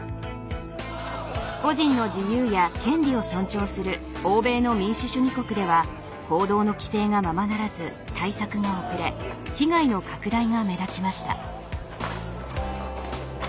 個人の自由や権利を尊重する欧米の民主主義国では行動の規制がままならず対策が遅れ被害の拡大が目立ちました。